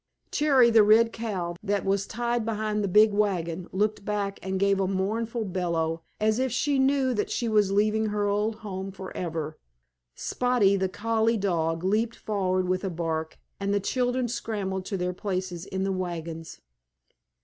Cherry, the red cow, that was tied behind the big wagon, looked back and gave a mournful bellow, as if she knew that she was leaving her old home forever; Spotty, the collie dog, leaped forward with a bark, and the children scrambled to their places in the wagons.